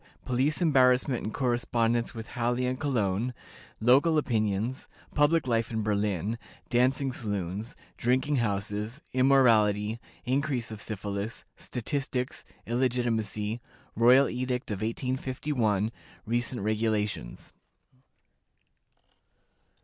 Police Embarrassment, and Correspondence with Halle and Cologne. Local Opinions. Public Life in Berlin. Dancing Saloons. Drinking Houses. Immorality. Increase of Syphilis. Statistics. Illegitimacy. Royal Edict of 1851. Recent Regulations.